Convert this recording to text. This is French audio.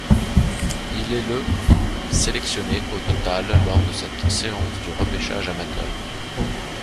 Il est le sélectionné au total lors de cette séance du repêchage amateur.